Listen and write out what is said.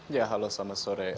ya halo selamat sore